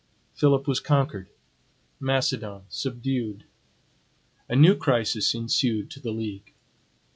Philip was conquered; Macedon subdued. A new crisis ensued to the league.